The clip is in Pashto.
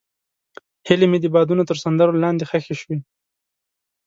هیلې مې د بادونو تر سندرو لاندې ښخې شوې.